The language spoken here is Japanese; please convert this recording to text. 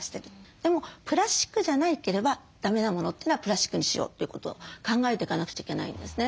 でもプラスチックじゃなければだめなものというのはプラスチックにしようってことを考えていかなくちゃいけないんですね。